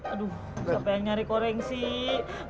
aduh siapa yang nyari koreng sih